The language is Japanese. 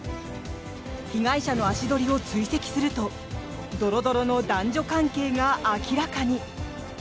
被害者の足取りを追跡するとドロドロの男女関係が明らかに。